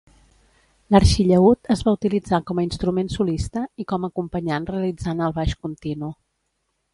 L'arxillaüt es va utilitzar com a instrument solista i com acompanyant realitzant el baix continu.